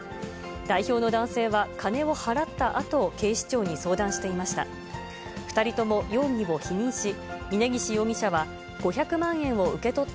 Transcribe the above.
代表の男性は、金を払ったあと、警視庁に相談していました。